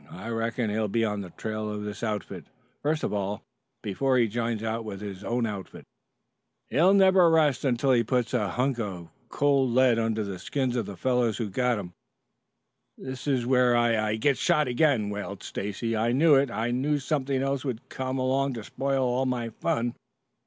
I reckon he'll be on the trail of this outfit, first of all, before he joins out with his own outfit. He'll never rest till he puts a bunk of cold lead under the skins of the fellows who got him." "This is where I I get shot again," wailed Stacy. "I knew it. I knew something else would come along to spoil all my fun!"